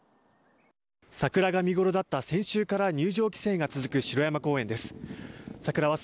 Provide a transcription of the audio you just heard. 桜が見ごろだった先週から入場規制が続く城山公園です。